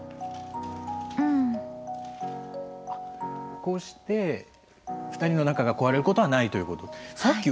こうして、２人の仲が壊れることはないということですか。